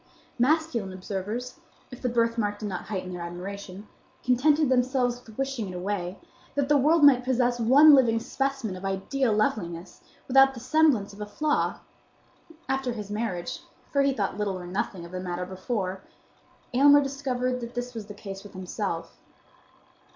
Masculine observers, if the birthmark did not heighten their admiration, contented themselves with wishing it away, that the world might possess one living specimen of ideal loveliness without the semblance of a flaw. After his marriage,—for he thought little or nothing of the matter before,—Aylmer discovered that this was the case with himself.